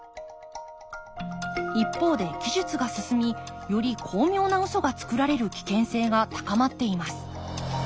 一方で技術が進みより巧妙なウソがつくられる危険性が高まっています。